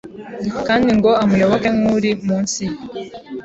kandi ngo amuyoboke nk’uri munsi ye,